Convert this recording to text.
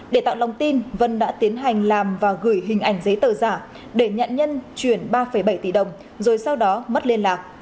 để tạo lòng tin vân đã tiến hành làm và gửi hình ảnh giấy tờ giả để nhận nhân chuyển ba bảy tỷ đồng rồi sau đó mất liên lạc